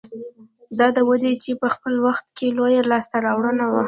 دا وده چې په خپل وخت کې لویه لاسته راوړنه وه